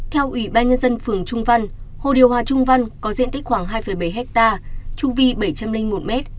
theo ủy ban nhân dân phường trung văn hồ điều hòa trung văn có diện tích khoảng hai bảy ha chu vi bảy trăm linh một m